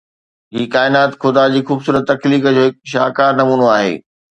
هي ڪائنات خدا جي خوبصورت تخليق جو هڪ شاهڪار نمونو آهي.